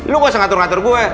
lo gak usah ngatur ngatur gue